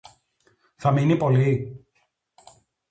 Θα μείνει πολύ;